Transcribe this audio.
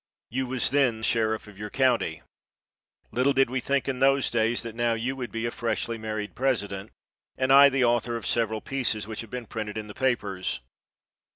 You was then sheriff of your county. Little did we think in those days that now you would be a freshly married president and I the author of several pieces which have been printed in the papers.